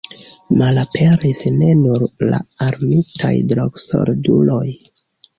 Malaperis ne nur la armitaj drogsolduloj.